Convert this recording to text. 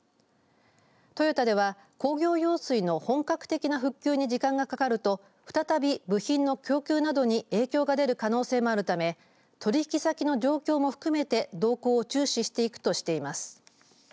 トヨタでは、工業用水の本格的な復旧に時間がかかると再び部品の供給などに影響が出る可能性もあるため取引先の状況も含めて動向を注視していくとしています。